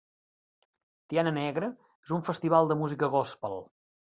Tiana Negra és un festival de música gòspel